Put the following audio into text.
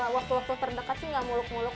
waktu waktu terdekat sih gak muluk muluk